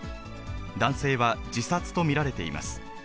男性は自殺と見られています。